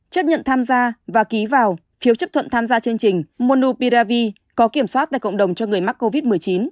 chấp nhận tham gia và ký vào phiếu chấp thuận tham gia chương trình monu piravi có kiểm soát tại cộng đồng cho người mắc covid một mươi chín